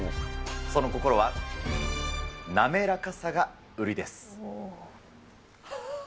その心は、滑らかさが売りです。